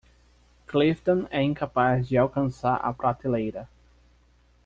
Clifton é incapaz de alcançar a prateleira.